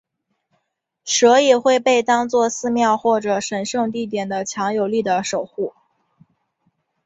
蛇也会被当做寺庙或者神圣地点的强有力的守护。